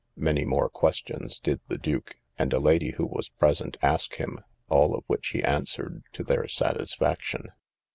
Many more questions did the duke, and a lady who was present, ask him; all of which he answered to their satisfaction.